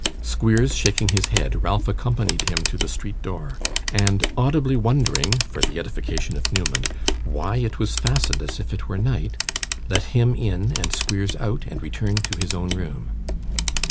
Squeers shaking his head, Ralph accompanied him to the streetdoor, and audibly wondering, for the edification of Newman, why it was fastened as if it were night, let him in and Squeers out, and returned to his own room.